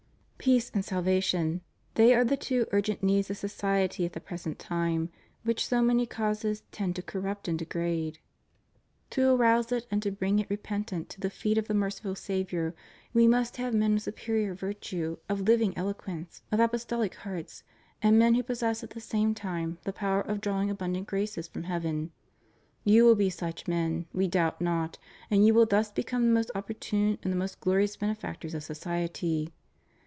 Peace and salvation; they are the two urgent needs of society at the present time, which so many causes tend to corrupt and degrade. THE RELIGIOUS CONGREGATIONS IN FRANCE. 511 To arouse it and to bring it repentant to the feet of the merciful Saviour we must have men of superior virtue, of living eloquence, of apostolic hearts and men who possess, at the same time, the power of drawing abun dant graces from heaven. You will be such men, We doubt not, and you will thus become the most opportune and the most glorious benefactors of society.